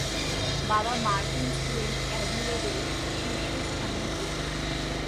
বাবা মার্টিন ছিলেন অ্যাডিলেডের শীর্ষস্থানীয় ক্রিকেটার।